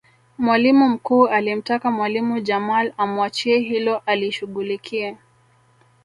Mwalimu mkuu alimtaka mwalimu Jamal amuachie hilo alishughulikie